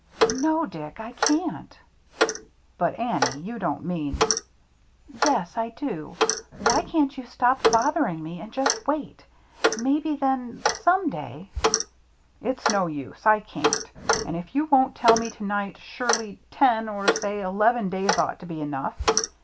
" No, Dick, I can't." " But, Annie, you don't mean —" "Yes, I do. Why can't you stop bother ing me, and just wait. Maybe then — some day —" "It's no use — I can't. If you won't tell me to night, surely ten — or, say, eleven — days ought to be enough.